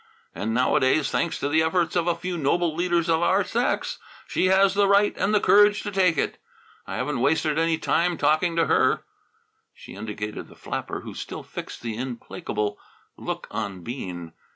And nowadays, thanks to the efforts of a few noble leaders of our sex, she has the right and the courage to take it. I haven't wasted any time talking to her." She indicated the flapper, who still fixed the implacable look on Bean.